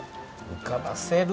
うかばせる？